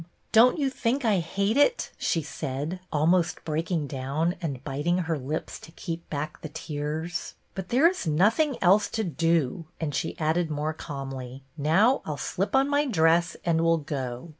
Don't you think I hate it ?" she said, almost breaking down, and bit ing her lips to keep back the tears. " But there is nothing else to do ;" and she added more calmly, " Now I 'll slip on my dress and we 'll go."